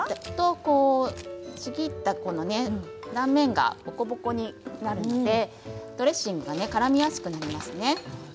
ちぎった断面がボコボコになるのでドレッシングがからみやすくなりますね。